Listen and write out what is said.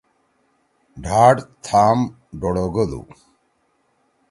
ڈھاٹ تھام ڈوڑوگَدُو۔